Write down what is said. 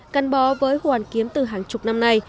căn bó với hoàn kiếm từ hàng chục năm nay